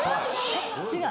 違う。